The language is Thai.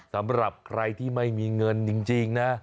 สำหรับใครที่ไม่มีเงินจริงนะ